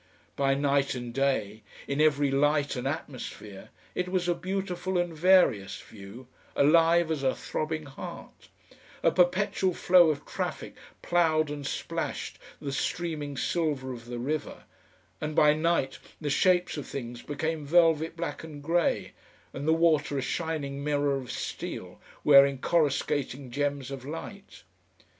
By night and day, in every light and atmosphere, it was a beautiful and various view, alive as a throbbing heart; a perpetual flow of traffic ploughed and splashed the streaming silver of the river, and by night the shapes of things became velvet black and grey, and the water a shining mirror of steel, wearing coruscating gems of light.